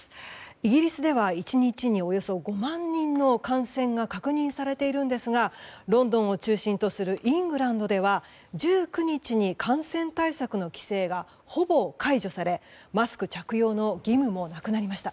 イギリスでは１日におよそ５万人の感染が確認されているんですがロンドンを中心とするイングランドでは１９日に感染対策の規制がほぼ解除されマスク着用の義務もなくなりました。